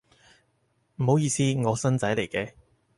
唔好意思，我新仔嚟嘅